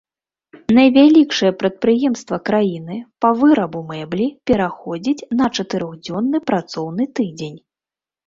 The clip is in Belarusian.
Найвялікшае прадпрыемства краіны па вырабу мэблі пераходзіць на чатырохдзённы працоўны тыдзень.